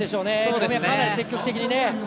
小見は、かなり積極的にね。